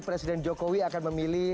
presiden jokowi akan memilih